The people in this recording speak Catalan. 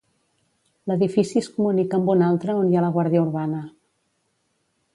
L'edifici es comunica amb un altre on hi ha la guàrdia Urbana.